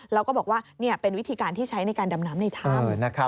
แล้วก็บอกว่าเป็นวิธีการที่ใช้ในการดำน้ำในถ้ำ